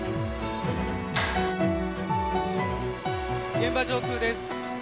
現場上空です。